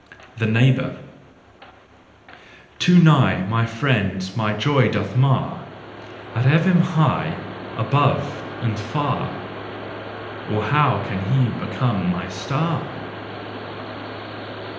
The Neighbour . Too nigh, my friend my joy doth mar, I'd have him high above and far, Or how can he become my star